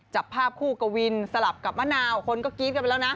จับภาพคู่กวินสลับกับมะนาวคนก็กรี๊ดกันไปแล้วนะ